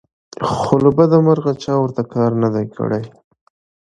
خو له بدمرغه چا ورته کار نه دى کړى